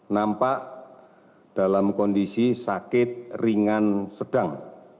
nampak dalam kondisi sakit ringan sedang